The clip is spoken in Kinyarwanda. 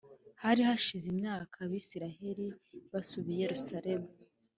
Hari hashize imyaka Abisirayeli basubiye i Yerusalemu